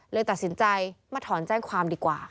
เลยตัดสินใจมาถอนแจ้งความดีกว่า